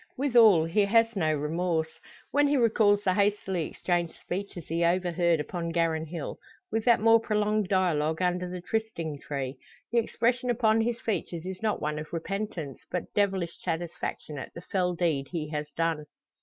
Withal he has no remorse. When he recalls the hastily exchanged speeches he overheard upon Garran hill, with that more prolonged dialogue under the trysting tree, the expression upon his features is not one of repentance, but devilish satisfaction at the fell deed he has done.